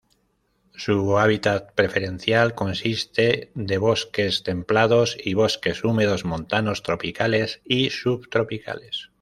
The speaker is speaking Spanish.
Su hábitat preferencial consiste de bosques templados y bosques húmedos montanos tropicales y subtropicales.